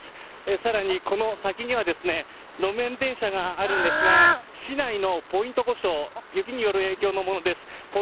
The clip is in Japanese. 更に、この先には路面電車があるんですが市内のポイント故障雪による影響のものです。